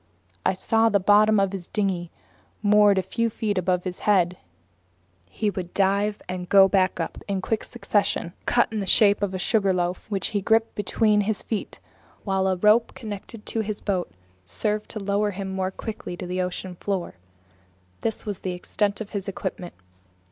I saw the bottom of his dinghy, moored a few feet above his head. He would dive and go back up in quick succession. A stone cut in the shape of a sugar loaf, which he gripped between his feet while a rope connected it to his boat, served to lower him more quickly to the ocean floor. This was the extent of his equipment.